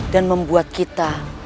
dan membuat kita